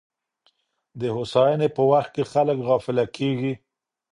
د هوساینې په وخت کي خلګ غافله کیږي.